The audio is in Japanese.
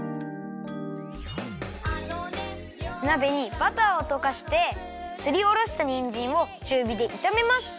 なべにバターをとかしてすりおろしたにんじんをちゅうびでいためます。